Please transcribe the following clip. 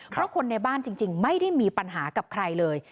เพราะคนในบ้านจริงไม่ได้มีปัญหากับใครเลย